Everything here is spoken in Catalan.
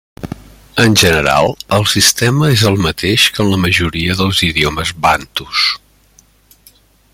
En general, el sistema és el mateix que en la majoria dels idiomes bantus.